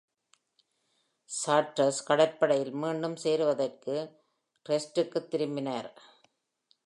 சார்ட்ரஸ் கப்பற்படையில் மீண்டும் சேருவதற்கு ப்ரெஸ்ட்-க்குத் திரும்பினார்.